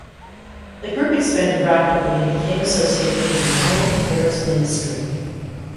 The group expanded rapidly and became associated with the Home Affairs Ministry.